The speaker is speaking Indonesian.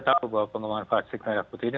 tahu bahwa pengumuman vaksin merah putih ini